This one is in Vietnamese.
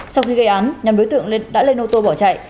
sau khi gây án nhóm đối tượng lên đã lên ô tô bỏ chạy